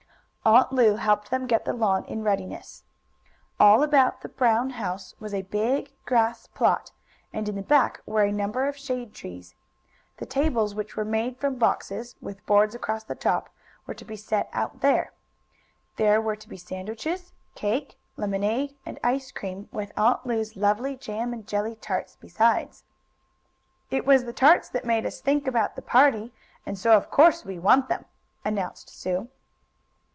Aunt Lu helped them get the lawn in readiness. All about the Brown house was a big grass plot, and in the back were a number of shade trees. The tables, which were made from boxes, with boards across the top, were to be set out there. There were to be sandwiches, cake, lemonade and ice cream, with Aunt Lu's lovely jam and jelly tarts besides. "It was the tarts that made us think about the party, so of course we want them," announced Sue.